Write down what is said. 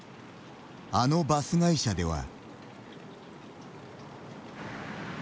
あのバス会社では。